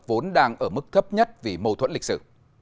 vốn đang ở mức thấp nhất vì mâu thuẫn lịch sử